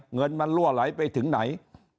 เงินมันลั่วไหลไปถึงไหน